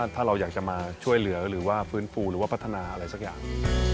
ถ้าเราอยากจะมาช่วยเหลือหรือว่าฟื้นฟูหรือว่าพัฒนาอะไรสักอย่าง